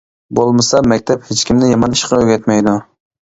بولمىسا مەكتەپ ھېچكىمنى يامان ئىشقا ئۆگەتمەيدۇ.